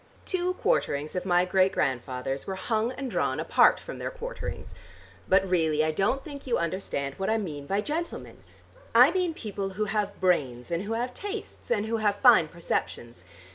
Two quarterings of my great grandfathers were hung and drawn apart from their quarterings. But really I don't think you understand what I mean by gentlemen. I mean people who have brains, and who have tastes and who have fine perceptions.